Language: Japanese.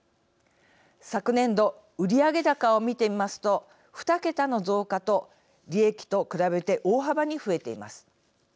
昨年度、売上高を見てみますと２桁の増加と利益と比べて大幅に増えています。